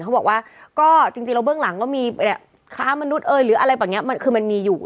เขาบอกว่าก็จริงแล้วเบื้องหลังก็มีค้ามนุษย์หรืออะไรแบบนี้มันคือมันมีอยู่